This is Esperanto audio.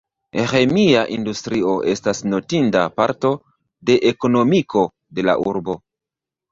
Ĥemia industrio estas notinda parto de ekonomiko de la urbo.